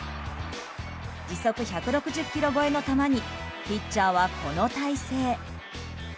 時速１６０キロ超えの球にピッチャーはこの体勢。